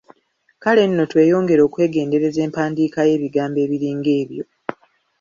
Kale nno tweyongere okwegendereza empandiika y’ebigambo ebiringa ebyo.